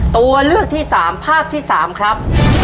ตัวเลือกที่๓ภาพที่๓ครับ